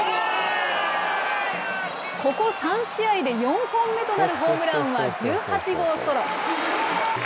ここ３試合で４本目となるホームランは１８号ソロ。